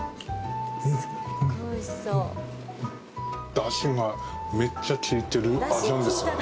だしがめっちゃきいてる味なんですよね。